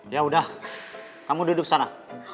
ya udah kamu duduk sana